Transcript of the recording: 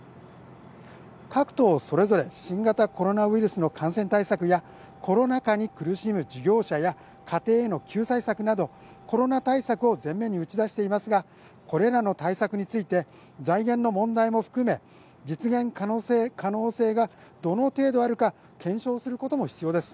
各党それぞれ新型コロナウイルスの感染対策やコロナ禍に苦しむ事業者や家庭への救済策などコロナ対策を前面に打ち出していますが、これらの対策について財源の問題も含め実現可能性がどの程度あるか検証することも必要です。